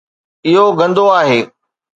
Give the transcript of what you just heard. اهو گندو آهي